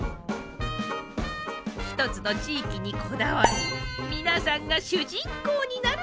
ひとつの地域にこだわり皆さんが主人公になる番組なんです！